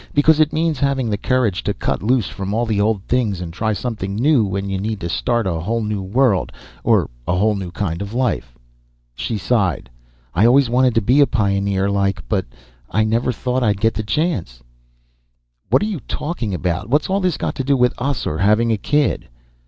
Because it means having the courage to cut loose from all the old things and try something new when you need to. Start a whole new world, a whole new kind of life." She sighed. "I always wanted to be a pioneer, like, but I never thought I'd get the chance." "What are you talking about? What's all this got to do with us, or having a kid?"